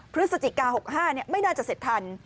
พฤศจิกา๖๕ไม่น่าจะเสร็จทัน